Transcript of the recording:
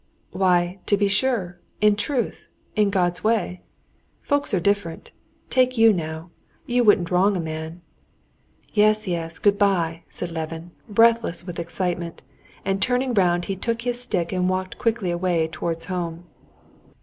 "Why, to be sure, in truth, in God's way. Folks are different. Take you now, you wouldn't wrong a man...." "Yes, yes, good bye!" said Levin, breathless with excitement, and turning round he took his stick and walked quickly away towards home.